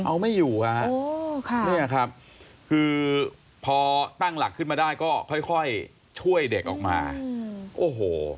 เอาไม่อยู่ฮะเนี่ยครับคือพอตั้งหลักขึ้นมาได้ก็ค่อยช่วยเด็กออกมาโอ้โห